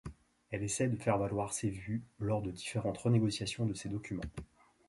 Elle essaye de faire valoir ses vues lors des différentes renégociations de ces documents.